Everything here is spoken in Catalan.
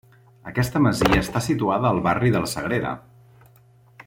Aquesta masia està situada al barri de la Sagrera.